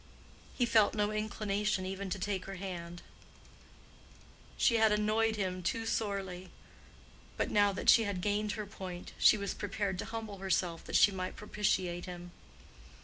He felt no inclination even to take her hand: she had annoyed him too sorely. But now that she had gained her point, she was prepared to humble herself that she might propitiate him.